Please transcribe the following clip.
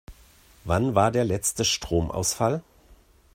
Wann war der letzte Stromausfall?